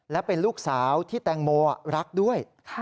และเป็นลูกสาวที่แตงโมรักด้วย